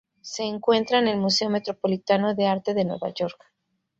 Se encuentra en el Museo Metropolitano de Arte de Nueva York.